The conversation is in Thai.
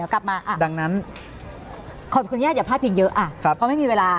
ขอบคุณคุณแย่อย่าพลาดเพียงเยอะเพราะไม่มีเวลา